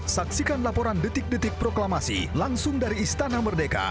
saksikan laporan detik detik proklamasi langsung dari istana merdeka